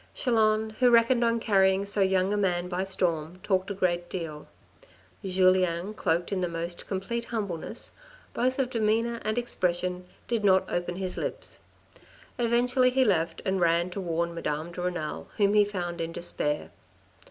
Chelan, who reckoned on carrying so young a man by storm, talked a great deal. Julien, cloaked in the most complete humbleness, both of demeanour and expression, did not open his lips. Eventually he left, and ran to warn Madame de Renal whom he found in despair.